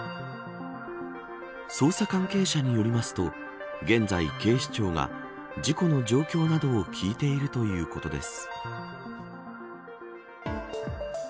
捜査関係者によりますと現在、警視庁が事故の状況などを聞いているということです。